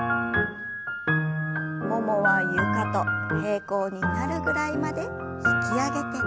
ももは床と平行になるぐらいまで引き上げて。